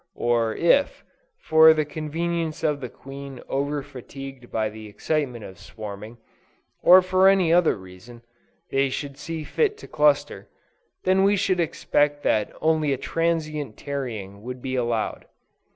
Or if, for the convenience of the queen over fatigued by the excitement of swarming, or for any other reason, they should see fit to cluster, then we should expect that only a transient tarrying would be allowed.